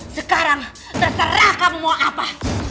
sekarang terserah kamu mau apa